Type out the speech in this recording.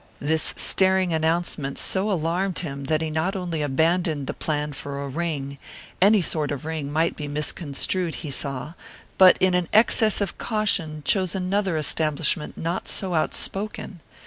This staring announcement so alarmed him that he not only abandoned the plan for a ring any sort of ring might be misconstrued, he saw but in an excess of caution chose another establishment not so outspoken.